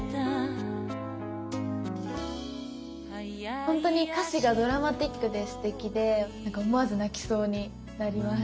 ほんとに歌詞がドラマティックですてきでなんか思わず泣きそうになります。